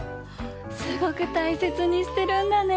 すごくたいせつにしてるんだね！